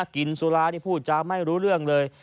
กินสุรานี่พูดจาไม่รู้เรื่องเลย